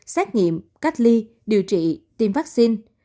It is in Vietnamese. xét nghiệm cách ly điều trị tiêm vaccine